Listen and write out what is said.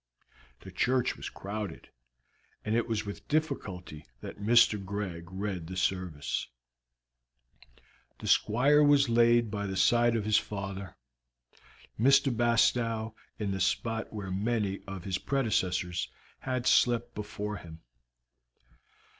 The church was crowded, and it was with difficulty that Mr. Greg read the service. The Squire was laid by the side of his father, Mr. Bastow in the spot where many of his predecessors had slept before him.